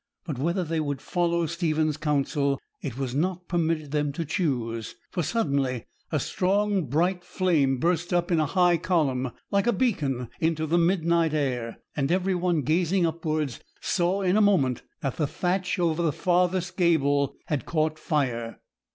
But whether they would follow Stephen's counsel, it was not permitted them to choose; for suddenly a strong, bright flame burst up in a high column, like a beacon, into the midnight air, and every one gazing upwards saw in a moment that the thatch over the farthest gable had caught fire.